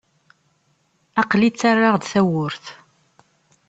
Aql-i ttarraɣ-d tawwurt.